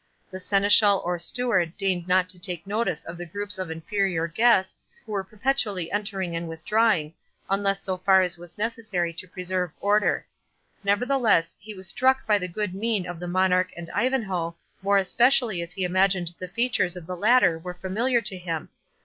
The seneschal or steward deigned not to take notice of the groups of inferior guests who were perpetually entering and withdrawing, unless so far as was necessary to preserve order; nevertheless he was struck by the good mien of the Monarch and Ivanhoe, more especially as he imagined the features of the latter were familiar to him.